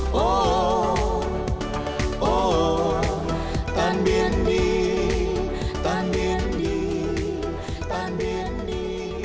tăng biến đi tăng biến đi tăng biến đi tăng biến đi